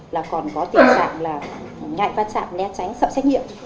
là còn có tình trạng là ngại phát trạm né tránh sợ trách nhiệm